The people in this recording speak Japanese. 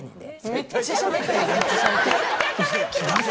めっちゃしゃべってます。